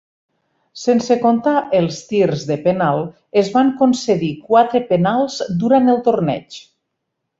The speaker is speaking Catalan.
Sense contar els tirs de penal, es van concedir quatre penals durant el torneig.